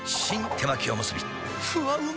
手巻おむすびふわうま